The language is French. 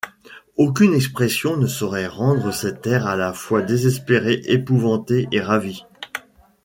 Aucune expression ne saurait rendre cet air à la fois désespéré, épouvanté et ravi.